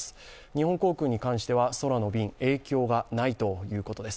日本航空に関しては空の便、影響がないということです。